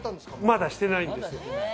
まだしてないです。